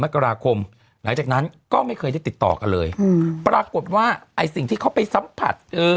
มกราคมหลังจากนั้นก็ไม่เคยได้ติดต่อกันเลยอืมปรากฏว่าไอ้สิ่งที่เขาไปสัมผัสเออ